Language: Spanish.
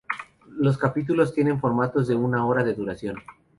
Los capítulos tienen formatos de una hora de duración.